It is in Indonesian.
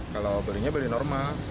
kalau belinya beli normal